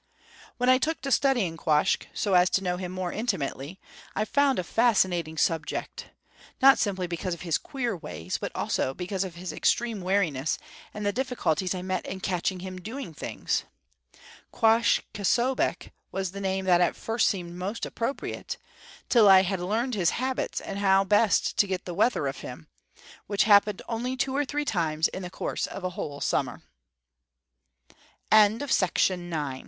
When I took to studying Quoskh, so as to know him more intimately, I found a fascinating subject; not simply because of his queer ways, but also because of his extreme wariness and the difficulties I met in catching him doing things. Quoskh K'sobeqh was the name that at first seemed most appropriate, till I had learned his habits and how best to get the weather of him which happened only two or three times in the course of a whole summer. One morning I